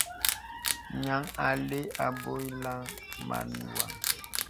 Nyaŋ a lɛ̂ àbyə̀laŋ màn wən.